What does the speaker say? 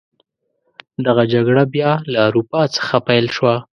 دغه جګړه بیا له اروپا څخه پیل شوه.